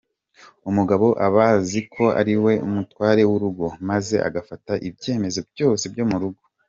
Umugabo abazi ko ariwe mutware w’urugo maze agafata ibyemezo byose byo mu rugo.